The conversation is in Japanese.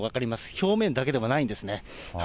表面だけではないんですね。